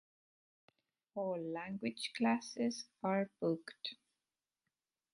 All language classes are booked.